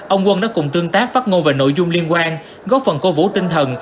ông quân đã cùng tương tác phát ngôn về nội dung liên quan góp phần cố vũ tinh thần